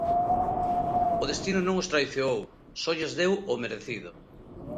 O destino non os traizoou, só lles deu o merecido.